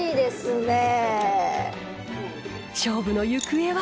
勝負の行方は。